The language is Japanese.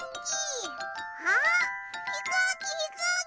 あっひこうきひこうき！